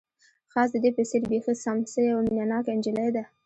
خاص د دې په څېر، بیخي سم، څه یوه مینه ناکه انجلۍ ده.